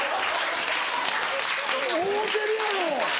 合うてるやろ？